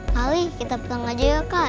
kali kita pegang aja ya kak